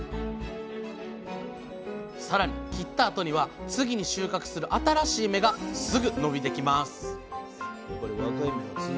更に切ったあとには次に収穫する新しい芽がすぐ伸びてきます